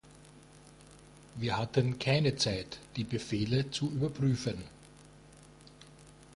Wir hatten keine Zeit die Befehle zu überprüfen.